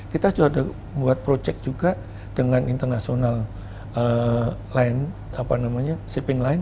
kita juga ada buat project juga dengan internasional land apa namanya shipping land